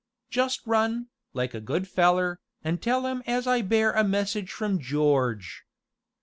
'Just run, like a good feller, an' tell 'im as I bear a message from George!'